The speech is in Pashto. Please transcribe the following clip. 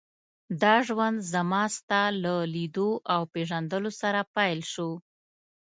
دا ژوند زما ستا له لیدو او پېژندلو سره پیل شو.